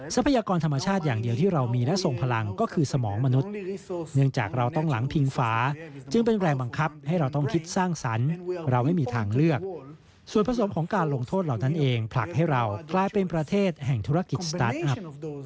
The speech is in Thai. ทรัพยากรธรรมชาติอย่างเดียวที่เรามีและทรงพลังก็คือสมองมนุษย์เนื่องจากเราต้องหลังพิงฝาจึงเป็นแรงบังคับให้เราต้องคิดสร้างสรรค์เราไม่มีทางเลือกส่วนผสมของการลงโทษเหล่านั้นเองผลักให้เรากลายเป็นประเทศแห่งธุรกิจสตาร์ทอัพ